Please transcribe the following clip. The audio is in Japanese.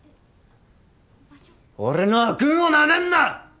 俺の悪運を舐めんな！